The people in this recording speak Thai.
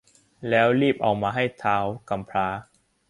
แล้วรีบเอามาให้ท้าวกำพร้า